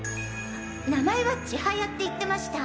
名前は「ちはや」って言ってました！